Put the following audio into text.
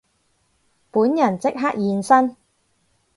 本人即刻現身